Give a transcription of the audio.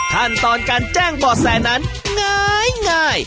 ขั้นตอนการแจ้งบ่อแสนั้นง้าย